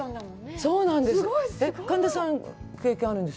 そうなんです。